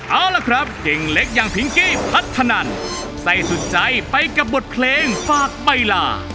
เอาล่ะครับเก่งเล็กอย่างพิงกี้พัฒนันใส่สุดใจไปกับบทเพลงฝากใบลา